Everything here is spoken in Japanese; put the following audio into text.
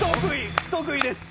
不得意です。